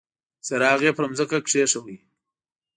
څراغ يې پر ځمکه کېښود.